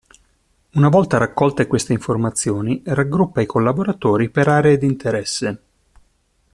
Una volta raccolte queste informazioni, raggruppa i collaboratori per aree di interesse.